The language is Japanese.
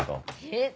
えっ